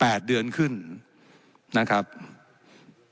และยังเป็นประธานกรรมการอีก